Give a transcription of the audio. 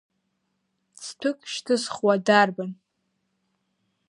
Цҭәык шьҭызхуа дарбан?